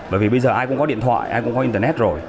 bởi vì bây giờ ai cũng có điện thoại ai cũng có internet rồi